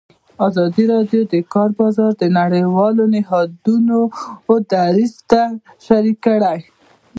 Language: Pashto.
ازادي راډیو د د کار بازار د نړیوالو نهادونو دریځ شریک کړی.